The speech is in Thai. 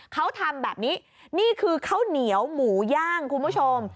เขาทำแบบนี้นี่คือข้าวเหนียวหมูย่างคุณผู้ชม